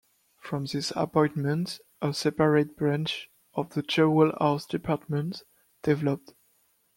From this appointment, a separate branch of the Jewel House Department developed.